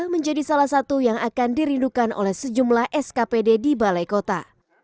menjadi salah satu yang akan dirindukan oleh sejumlah skpd di balai kota